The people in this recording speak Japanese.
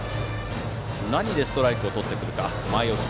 何でストライクをとるか。